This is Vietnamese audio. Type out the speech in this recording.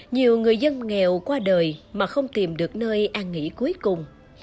nhiều người dân nghèo qua đời mà không tìm được nơi an nghỉ cuối cùng